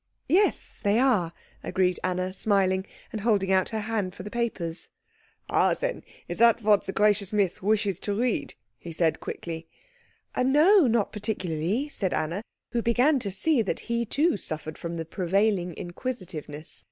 "Yes, they are," agreed Anna, smiling, and holding out her hand for the papers. "Ah, then, it is that that the gracious Miss wishes to read?" he said quickly. "No, not particularly," said Anna, who began to see that he too suffered from the prevailing inquisitiveness.